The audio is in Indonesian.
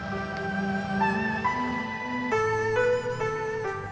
ini taiwan punya